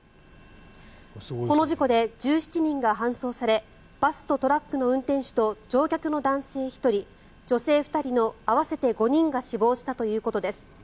この事故で１７人が搬送されバスとトラックの運転手と乗客の男性１人、女性２人の合わせて５人が死亡したということです。